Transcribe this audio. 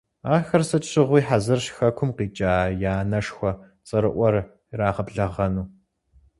Ахэр сыт щыгъуи хьэзырщ хэкум къикӏа я анэшхуэ цӀэрыӀуэр ирагъэблэгъэну.